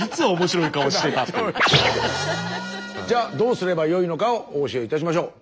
じゃあどうすればよいのかをお教えいたしましょう。